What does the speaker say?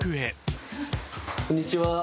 こんにちは。